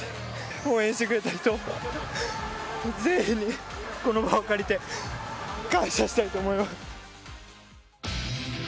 応援してくれた人、全員に、この場を借りて、感謝したいと思います。